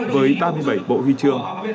với ba mươi bảy bộ huy chương